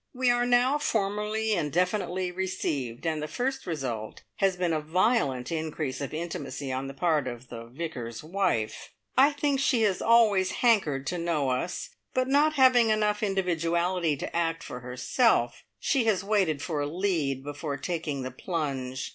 We are now formally and definitely "received," and the first result has been a violent increase of intimacy on the part of the Vicar's wife. I think she has always "hankered" to know us, but not having enough individuality to act for herself, she has waited for a lead before taking the plunge.